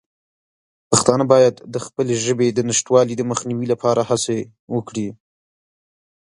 پښتانه باید د خپلې ژبې د نشتوالي د مخنیوي لپاره هڅه وکړي.